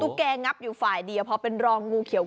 ตุ๊กแกงับอยู่ฝ่ายดีเพราะเป็นรองงูเขียว